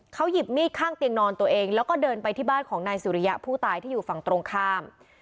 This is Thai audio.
เขาหยิบมีดข้างเตียงนอนตัวเองแล้วก็เดินไปที่บ้านของนายสุริยะผู้ตายที่อยู่ฝั่งตรงข้าม